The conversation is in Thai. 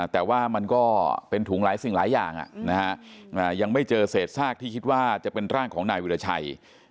แต่ว่ามันก็เป็นถุงหลายสิ่งหลายอย่างยังไม่เจอเศษซากที่คิดว่าจะเป็นร่างของนายวิราชัย